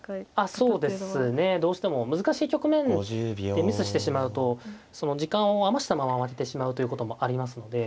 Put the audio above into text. そうですねどうしても難しい局面でミスしてしまうと時間を余したまま負けてしまうということもありますので。